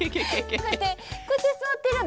こうやってこうやってすわってるんだよく。